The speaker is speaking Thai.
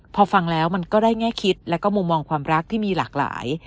พอฟังแล้วมันก็ได้แง่คิดแล้วก็มุมมองความรักที่มีหลากหลาย